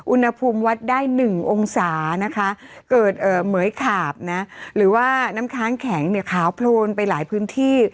อุณหภูมิวัดได้๑องศานะคะเกิดเหมือยขาบนะหรือว่าน้ำค้างแข็งเนี่ยขาวโพลนไปหลายพื้นที่